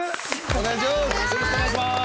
お願いします！